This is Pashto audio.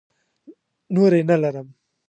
نورې نه لرم.